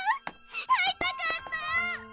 会いたかった！